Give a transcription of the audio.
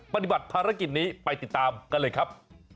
ปฏิบัติภารกิจนี้ไปติดตามกันเลยครับ